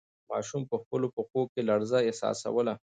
ماشوم په خپلو پښو کې لړزه احساسوله.